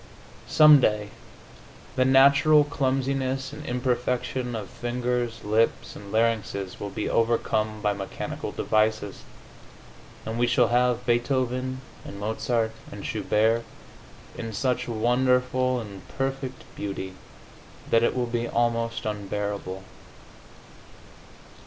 Some day the natural clumsiness and imperfection of fingers, lips and larynxes will be overcome by mechanical devices, and we shall have Beethoven and Mozart and Schubert in such wonderful and perfect beauty that it will be almost unbearable.